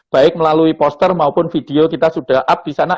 baik melalui poster maupun video kita sudah up disana